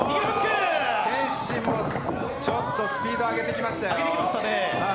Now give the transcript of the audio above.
天心もちょっとスピード上げてきましたよ。